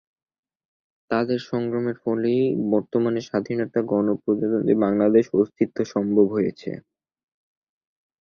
তাঁদের সংগ্রামের ফলেই বর্তমান স্বাধীন গণপ্রজাতন্ত্রী বাংলাদেশের অস্তিত্ব সম্ভব হয়েছে।